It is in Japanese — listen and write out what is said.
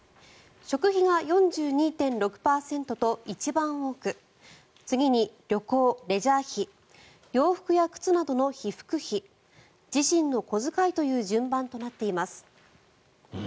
食費が４２．６％と一番多く次に旅行・レジャー費洋服や靴などの被服費自身の小遣いという順番となっています。